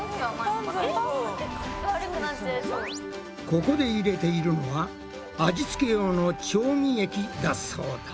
ここで入れているのは味付け用の調味液だそうだ。